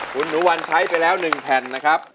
คุณหนูวันใช้ไปแล้ว๑แผ่นนะครับ